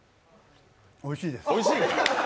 おいしいです。